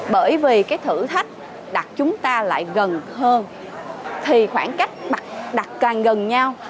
bởi vì cái thử thách đặt chúng ta lại gần hơn thì khoảng cách đặt càng gần nhau